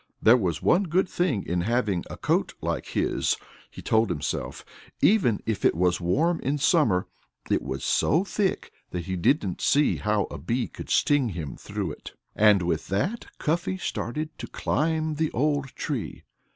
There was one good thing in having a coat like his, he told himself: even if it was warm in summer, it was so thick that he didn't see how a bee could sting him through it. And with that, Cuffy started to climb the old tree.